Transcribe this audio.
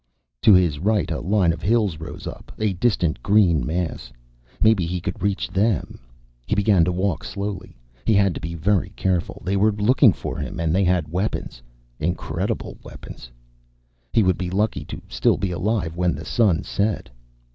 To his right a line of hills rose up, a distant green mass. Maybe he could reach them. He began to walk slowly. He had to be very careful. They were looking for him and they had weapons. Incredible weapons. He would be lucky to still be alive when the sun set.